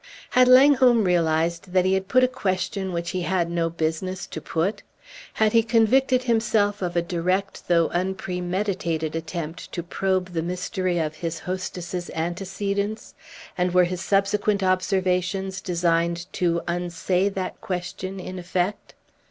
Had Langholm realized that he had put a question which he had no business to put? Had he convicted himself of a direct though unpremeditated attempt to probe the mystery of his hostess's antecedents, and were his subsequent observations designed to unsay that question in effect?